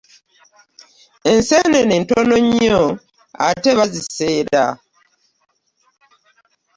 Ensenene ntono nnyo ate baziseera.